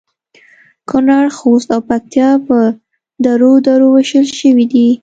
کونړ ، خوست او پکتیا په درو درو ویشل شوي دي